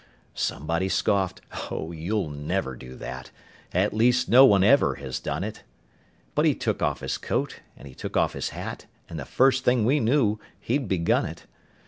Somebody scoffed: "Oh, you'll never do that; At least no one ever has done it"; But he took off his coat and he took off his hat, And the first thing we knew he'd begun it.